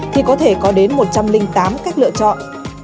thì có thể có đến một trăm linh tám cách lựa chọn